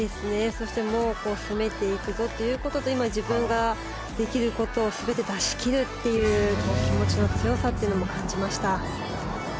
そして攻めていくぞということと今、自分ができることを全て出し切るという気持ちの強さというのも感じました。